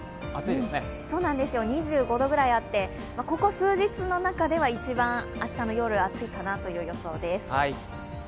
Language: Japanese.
２５度ぐらいあってここ数日の中では一番、明日の夜暑いかなという予想です。